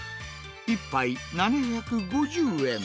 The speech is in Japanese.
１杯７５０円。